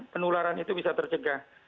penularan itu bisa terjaga